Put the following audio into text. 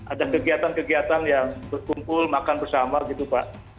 ada kegiatan kegiatan yang berkumpul makan bersama gitu pak